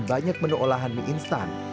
mereka menawarkan banyak menu olahan mie instan